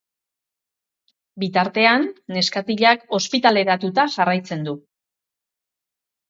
Bitartean, neskatilak ospitaleratuta jarraitzen du.